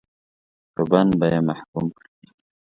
په بند به یې محکوم کړي.